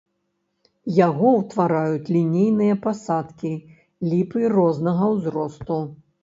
Яго ўтвараюць лінейныя пасадкі ліпы рознага ўзросту.